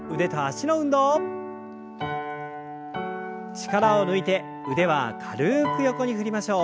力を抜いて腕は軽く横に振りましょう。